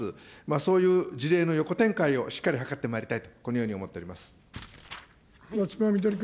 そういう事例の横展開をしっかり図ってまいりたいと、このように松島みどり君。